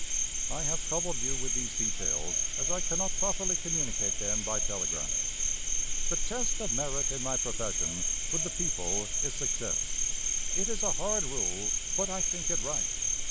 I have troubled you with these details, as I can not properly communicate them by telegram. "The test of merit in my profession, with the people, is success. It is a hard rule, but I think it right.